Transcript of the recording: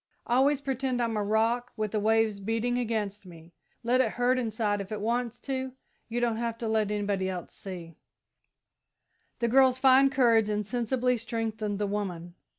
I always pretend I'm a rock, with the waves beating against me. Let it hurt inside, if it wants to you don't have to let anybody see!" The girl's fine courage insensibly strengthened the woman.